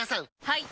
はい！